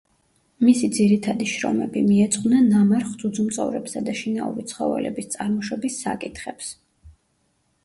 მისი ძირითადი შრომები მიეძღვნა ნამარხ ძუძუმწოვრებსა და შინაური ცხოველების წარმოშობის საკითხებს.